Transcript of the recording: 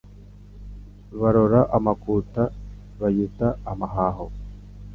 Barora amakuta bayita amahaho